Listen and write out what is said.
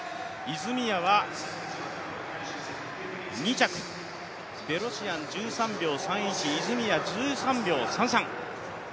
泉谷は２着、ベロシアン、１３秒３１、泉谷１３秒３３。